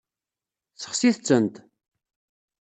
Sexsit-tent.